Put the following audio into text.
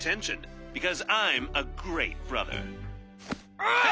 「おい！